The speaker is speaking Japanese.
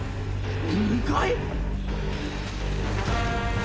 ２階！？